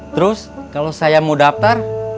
terus kalau saya mau daftar